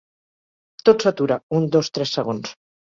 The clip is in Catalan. Tot s'atura un, dos, tres segons.